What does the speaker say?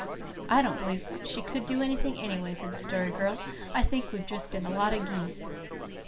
"I don't believe she could do anything, anyway," said the Story Girl. "I think we've just been a lot of geese."